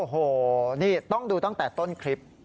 โอ้โหนี่ต้องดูตั้งแต่ต้นคลิป